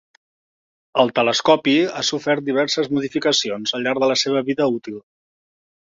El telescopi ha sofert diverses modificacions al llarg la seva vida útil.